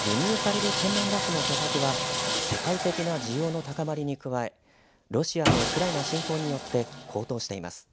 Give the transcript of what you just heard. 輸入される天然ガスの価格は世界的な需要の高まりに加えロシアのウクライナ侵攻によって高騰しています。